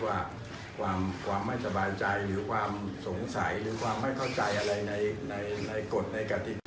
ว่าความไม่สบายใจหรือความสงสัยหรือความไม่เข้าใจอะไรในกฎในกติกา